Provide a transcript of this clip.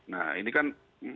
nah ini kan